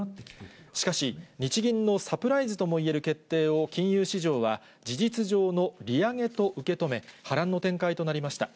しかし、日銀のサプライズともいえる決定を金融市場は、事実上の利上げと受け止め、波乱の展開となりました。